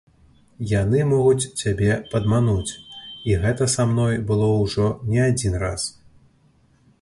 Яны могуць цябе падмануць, і гэта са мной было ўжо не адзін раз.